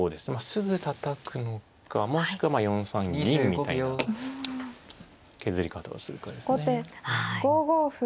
すぐたたくのかもしくは４三銀みたいな削り方をするかですね。